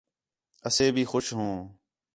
اَسے بھی خوش ہوں